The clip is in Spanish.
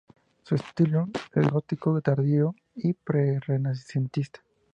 Su estilo es gótico tardío y pre-renacentista.